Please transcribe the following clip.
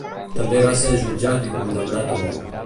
També va ser jutjat i condemnat a mort.